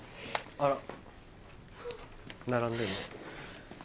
あら並んでんね。